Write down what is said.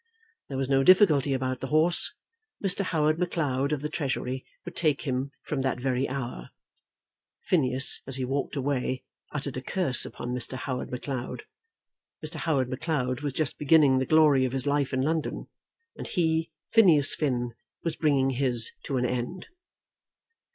There was no difficulty about the horse. Mr. Howard Macleod of the Treasury would take him from that very hour. Phineas, as he walked away, uttered a curse upon Mr. Howard Macleod. Mr. Howard Macleod was just beginning the glory of his life in London, and he, Phineas Finn, was bringing his to an end.